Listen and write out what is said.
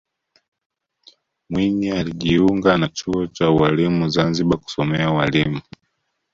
mwinyi alijiunga na chuo cha ualimu zanzibar kusomea ualimu